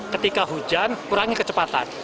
ketika hujan kurangi kecepatan